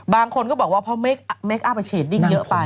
บางคนก็บอกว่าเพราะเมคอัพเชดดิ้งเยอะไป